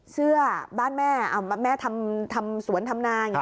เสื้อบ้านแม่แม่ทำสวนทำนาง